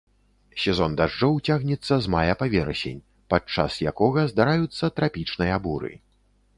Сезон дажджоў цягнецца з мая па верасень, пад час якога здараюцца трапічныя буры.